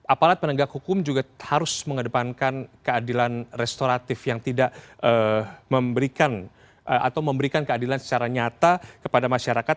aparat penegak hukum juga harus mengedepankan keadilan restoratif yang tidak memberikan atau memberikan keadilan secara nyata kepada masyarakat